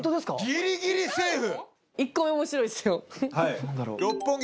ギリギリセーフ！